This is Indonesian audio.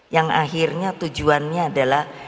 yang akhirnya tujuannya adalah